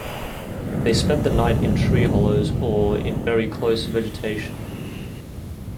They spend the night in tree hollows or in very close vegetation.